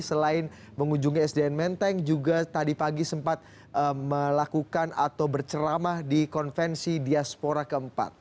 selain mengunjungi sdn menteng juga tadi pagi sempat melakukan atau berceramah di konvensi diaspora keempat